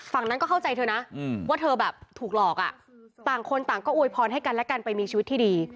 ฝั่งนั้นก็เข้าใจเธอนะว่าเธอแบบถูกหลอกอ่ะต่างคนต่างก็อวยพรให้กันและกันไปมีชีวิตที่ดี